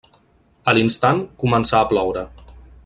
A l'instant, començà a ploure.